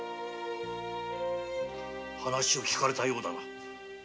話を聞かれたようだな。